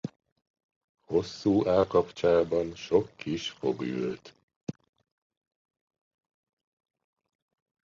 Hosszú állkapcsában sok kis fog ült.